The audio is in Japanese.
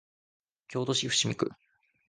京都市伏見区